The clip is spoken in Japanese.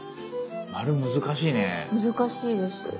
丸難しいね。